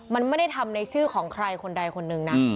มันไม่ได้ทำในชื่อของใครคนใดคนหนึ่งนะ